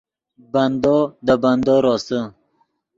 بندو دے بندو روسے